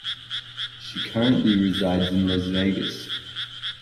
She currently resides in Las Vegas.